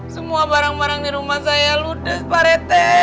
semua barang barang di rumah saya ludes pak rete